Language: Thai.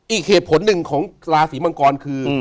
อีกเหตุผลหนึ่งของราศีมังกรคือ